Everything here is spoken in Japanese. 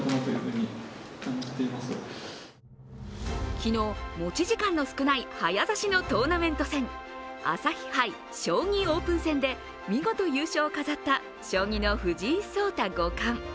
昨日、持ち時間の少ない早指しのトーナメント戦朝日杯将棋オープン戦で見事優勝を飾った将棋の藤井聡太五冠。